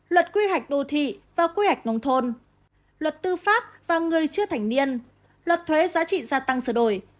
luật quy hoạch đô thị và quy hoạch nông thôn luật tư pháp và người chưa thành niên luật thuế giá trị gia tăng sửa đổi